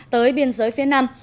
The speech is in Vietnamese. tới biên giới phía nam